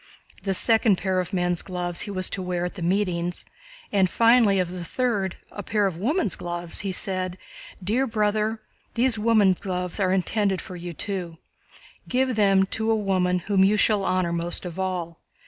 The second pair of man's gloves he was to wear at the meetings, and finally of the third, a pair of women's gloves, he said: "Dear brother, these woman's gloves are intended for you too. Give them to the woman whom you shall honor most of all.